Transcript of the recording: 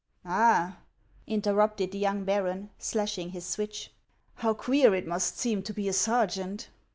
"All!" interrupted the young baron, slashing his switch, " how queer it must seem to be a sergeant."